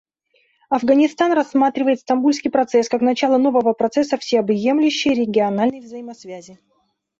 Афганистан рассматривает Стамбульский процесс как начало нового процесса всеобъемлющей региональной взаимосвязи.